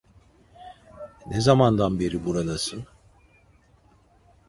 Ne zamandan beri buradasın?